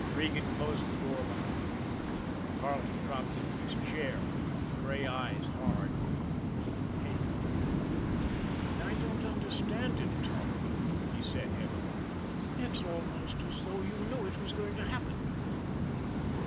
Regan closed the door behind him. Carleton dropped into his chair, his gray eyes hard and full of pain. "I don't understand, Tommy," he said heavily. "It's almost as though you knew it was going to happen."